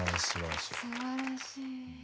すばらしい。